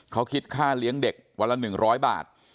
เขาคิดค่าเลี้ยงเด็กวันละ๑๐๐บาท